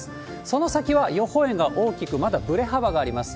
その先は予報円が大きく、まだぶれ幅があります。